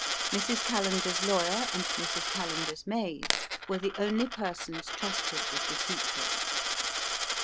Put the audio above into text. Mrs. Callender's lawyer and Mrs. Callender's maid were the only persons trusted with the secret.